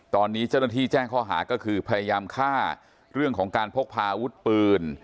ตอนนี้เจ้าหน้าที่แจ้งข้อหาก็คือพยายามฆ่าเรื่องของการพกพาอาวุธปืน